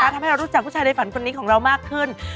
ทำให้เรารู้จักผู้ชายในฝันคนนี้ของเรามากขึ้น